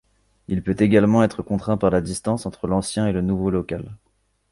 Il peut également être contraint par la distance entre l'ancien et le nouveau local.